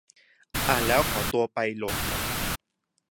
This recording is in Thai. อ่านแล้วขอตัวไปโหลดก่อน